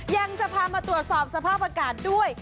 ยังจะพามาตรวจสอบสภาพอากาศด้วย